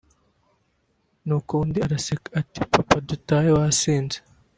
nuko undi araseka ati “Papa dutahe wasinze”